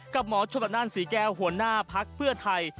กับหมอชุตนานศรีแก้วหัวหน้าพักเพื่อไทย